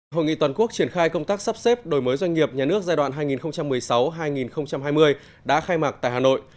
hội nghị toàn quốc triển khai công tác sắp xếp đổi mới doanh nghiệp nhà nước giai đoạn hai nghìn một mươi sáu hai nghìn hai mươi đã khai mạc tại hà nội